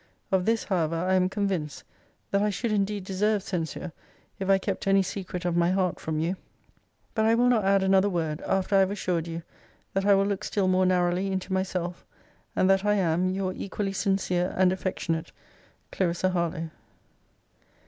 Of this, however, I am convinced, that I should indeed deserve censure, if I kept any secret of my heart from you. But I will not add another word, after I have assured you, that I will look still more narrowly into myself: and that I am Your equally sincere and affectionate CL. HARLOWE.